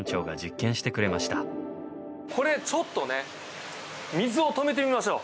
これちょっとね水を止めてみましょう。